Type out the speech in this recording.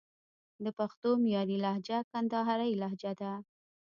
د پښتو معیاري لهجه کندهارۍ لجه ده